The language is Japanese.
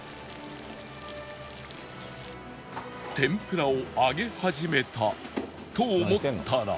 天ぷらを揚げ始めたと思ったら